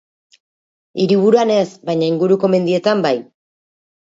Hiriburuan ez, baina inguruko mendietan bai.